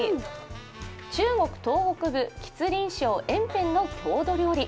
中国東北部、吉林省・延辺の郷土料理。